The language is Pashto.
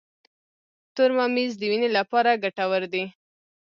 تور ممیز د وینې لپاره ګټور دي.